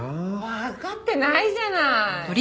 わかってないじゃない。